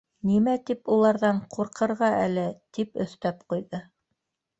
Нимә тип уларҙан ҡурҡырға әле? —тип өҫтәп ҡуйҙы.